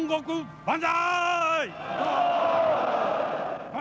万歳！